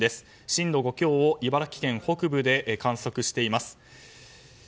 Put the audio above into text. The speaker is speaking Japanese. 震度５強を茨城県北部で観測しています。